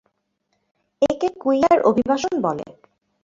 একে কুইয়ার অভিবাসন বলে।